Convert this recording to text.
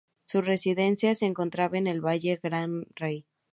Su residencia se encontraba en el Valle Gran Rey.